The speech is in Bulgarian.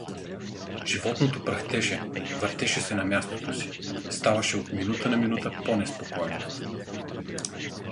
Животното пръхтеше, въртеше се на мястото си, ставаше от минута на минута по-неспокойно.